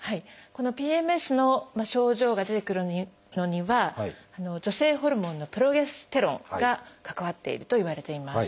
このＰＭＳの症状が出てくるのには女性ホルモンのプロゲステロンが関わっているといわれています。